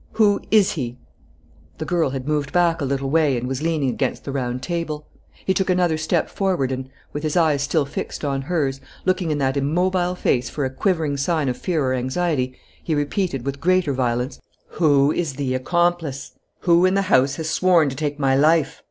Who is he?" The girl had moved back a little way and was leaning against the round table. He took another step forward and, with his eyes still fixed on hers, looking in that immobile face for a quivering sign of fear or anxiety, he repeated, with greater violence: "Who is the accomplice? Who in the house has sworn to take my life?"